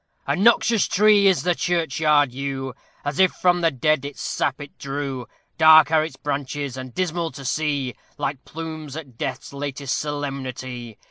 A noxious tree is the churchyard yew, As if from the dead its sap it drew; Dark are its branches, and dismal to see, Like plumes at Death's latest solemnity.